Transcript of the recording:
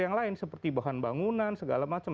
yang lain seperti bahan bangunan segala macam